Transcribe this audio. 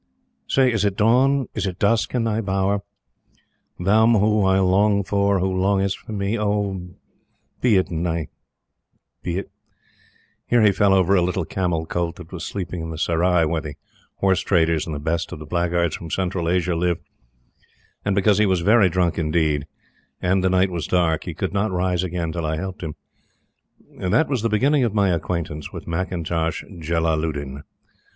"Say, is it dawn, is it dusk in thy Bower, Thou whom I long for, who longest for me? Oh be it night be it " Here he fell over a little camel colt that was sleeping in the Serai where the horse traders and the best of the blackguards from Central Asia live; and, because he was very drunk indeed and the night was dark, he could not rise again till I helped him. That was the beginning of my acquaintance with McIntosh Jellaludin.